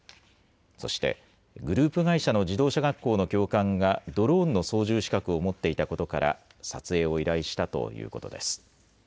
そして、グループ会社の自動車学校の教官が、ドローンの操縦資格を持っていたことから、撮影を依頼したということです。